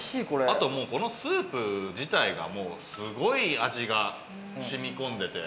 あともうこのスープ自体がすごい味が染み込んでて。